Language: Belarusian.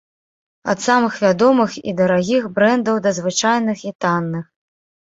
Ад самых вядомых і дарагіх брэндаў да звычайных і танных.